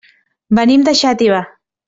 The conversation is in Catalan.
Venim de Xàtiva.